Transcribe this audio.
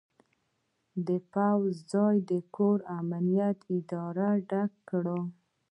د پوځ ځای د کور امنیت ادارې ډک کړ.